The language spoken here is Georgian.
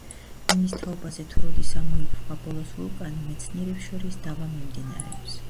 იმის თაობაზე, თუ როდის ამოიფრქვა ბოლოს ვულკანი, მეცნიერებს შორის დავა მიმდინარეობს.